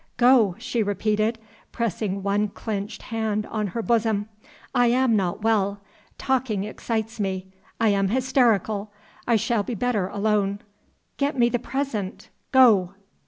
"Go!" she repeated, pressing one clinched hand on her bosom. "I am not well. Talking excites me I am hysterical; I shall be better alone. Get me the present. Go!"